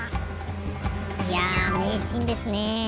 いやめいシーンですね。